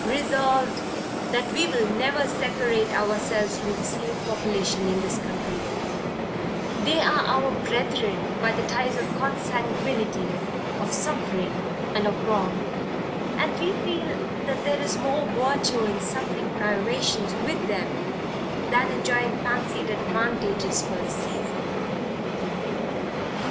Resolved, That we will never separate ourselves from the slave population in this country: they are our brethren by the ties of consanguinity, of suffering, and of wrong; and we feel that there is more virtue in suffering privations with them, than enjoying fancied advantages for a season.